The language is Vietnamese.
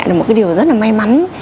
là một cái điều rất là may mắn